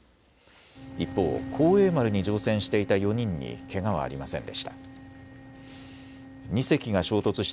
一方、幸栄丸に乗船していた４人にけがはありませんでした。